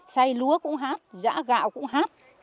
xay lúa cũng hát giã gạo cũng hát